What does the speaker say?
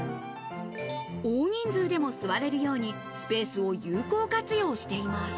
大人数でも座れるようにスペースを有効活用しています。